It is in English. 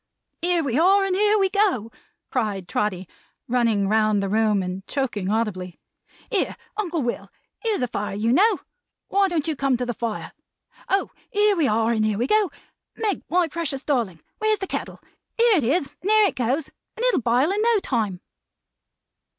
"Here we are, and here we go!" cried Trotty, running round the room and choking audibly. "Here, Uncle Will, here's a fire you know! Why don't you come to the fire? Oh here we are and here we go! Meg, my precious darling, where's the kettle? Here it is and here it goes, and it'll bile in no time!"